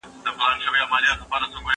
زه به اوږده موده مينه څرګنده کړې وم؟